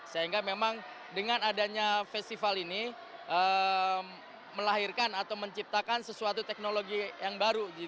sehingga memang dengan adanya festival ini melahirkan atau menciptakan sesuatu teknologi yang baru